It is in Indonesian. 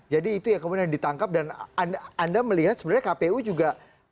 jadi itu yang kemudian ditangkap dan anda melihat sebenarnya kpu juga